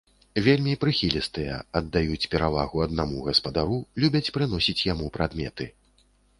Вельмі прыхілістыя, аддаюць перавагу аднаму гаспадару, любяць прыносіць яму прадметы.